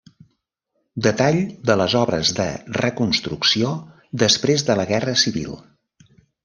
Detall de les obres de reconstrucció després de la guerra civil.